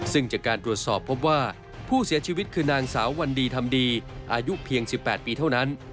ซึ่งจากการตรวจสอบพบว่าผู้เสียชีวิตคือนางสาววันดีทำดีอายุเพียง๑๘ปีเท่านั้น